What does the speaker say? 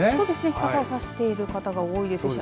傘を差している方が多いですね。